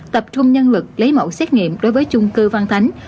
tập trung nhân lực lấy mẫu xét nghiệm đối với chung cư văn thánh